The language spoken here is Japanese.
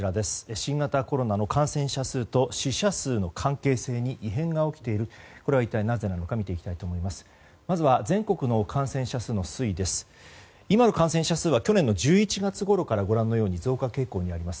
新型コロナの感染者数と死者数の関係性に異変が起きているこれは一体なぜか見ていきたいと思います。